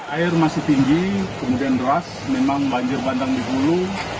air masih tinggi kemudian deras memang banjir bandang di hulu